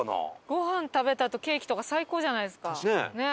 ごはん食べたあとケーキとか最高じゃないですか。